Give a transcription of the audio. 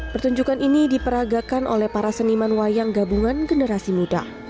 pertunjukan ini diperagakan oleh para seniman wayang gabungan generasi muda